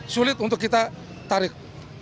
sulit untuk kita tarik